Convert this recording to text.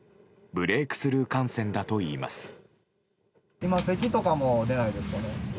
ブレークスルー感染だといいます。